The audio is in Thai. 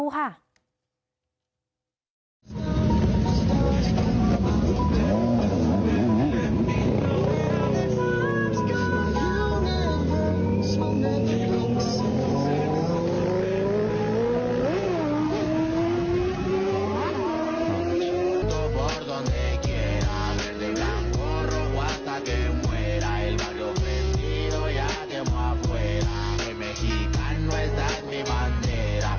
เฮ้ยแล้วตัวไม่ปลิวเหรอ